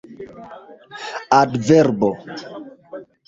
adverbo